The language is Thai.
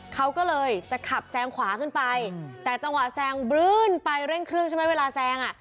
เขาก็เลยจะขับแซงขวาขึ้นไปแต่จังหวะแซงบลื้นไปเร่งเครื่องใช่ไหมเวลาแซงอ่ะ